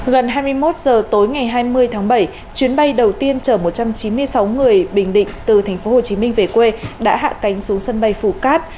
gần hai mươi một giờ tối ngày hai mươi tháng bảy chuyến bay đầu tiên chở một trăm chín mươi sáu người bình định từ tp hcm về quê đã hạ cánh xuống sân bay phú cát